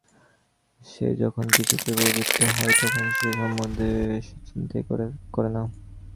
সে যখন কিছুতে প্রবৃত্ত হয় তখন সে সম্বন্ধে সে চিন্তাই করে না।